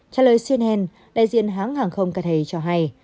trả lời cnn đại diện hãng hàng không kate cho hay